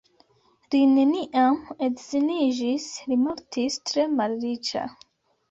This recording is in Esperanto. Li neniam edziniĝis, li mortis tre malriĉa.